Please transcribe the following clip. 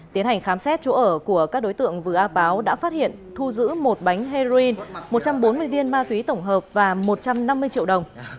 tiến hành khám xét chỗ ở của các đối tượng vừa a báo đã phát hiện thu giữ một bánh heroin một trăm bốn mươi viên ma túy tổng hợp và một trăm năm mươi triệu đồng